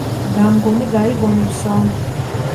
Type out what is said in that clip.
გამგონი გაიგონებსო.